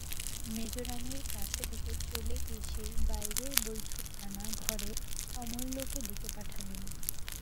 মেজোরানীর কাছ থেকে চলে এসেই বাইরের বৈঠকখানা-ঘরে অমূল্যকে ডেকে পাঠালুম।